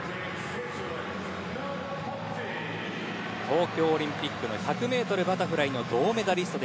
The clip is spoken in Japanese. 東京オリンピックの１００ｍバタフライの銅メダリスト